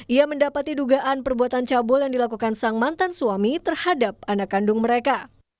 ia mendapati dugaan perbuatan cabul yang dilakukan sang mantan suami terhadap anak kandung mereka